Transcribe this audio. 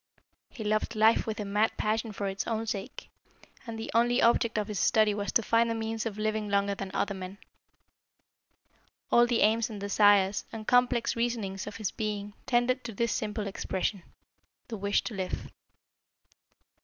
He loved life with a mad passion for its own sake, and the only object of his study was to find a means of living longer than other men. All the aims and desires and complex reasonings of his being tended to this simple expression the wish to live.